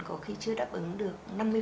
có khi chưa đáp ứng được